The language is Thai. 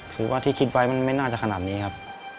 คือว่าที่คิดไว้มันไม่น่าจะขนาดนี้ครับ